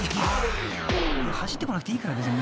［走ってこなくていいから別に］